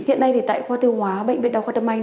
hiện nay thì tại khoa tiêu hóa bệnh viện đa khoa tâm anh